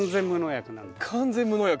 完全無農薬？